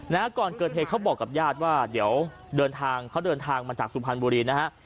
นะฮะก่อนเกิดเหตุเขาบอกกับญาติว่าเดี๋ยวเดินทางเขาเดินทางมาจากสุพรรณบุรีนะฮะ